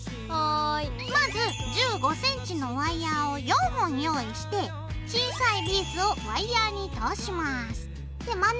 まず１５ｃｍのワイヤーを４本用意して小さいビーズをワイヤーに通します。